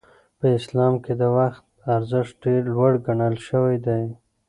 په اسلام کې د وخت ارزښت ډېر لوړ ګڼل شوی دی.